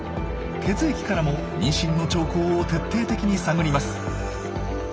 血液からも妊娠の兆候を徹底的に探ります。